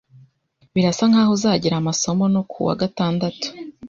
Birasa nkaho uzagira amasomo no kuwa gatandatu.